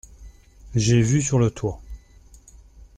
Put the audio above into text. J’ai vu sur le toit.